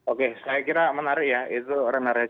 oke saya kira menarik ya itu orang yang menarik